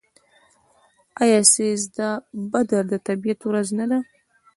آیا سیزده بدر د طبیعت ورځ نه ده؟